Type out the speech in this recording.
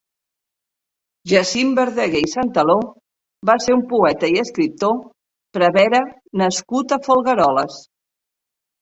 Jacint Verdaguer i Santaló va ser un poeta i escriptor, prevere nascut a Folgueroles.